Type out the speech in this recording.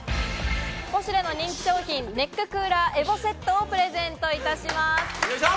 ポシュレの人気商品、ネッククーラーＥＶＯセットをプレゼントいたします。